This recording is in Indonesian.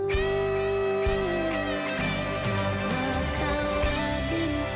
mama kau bintang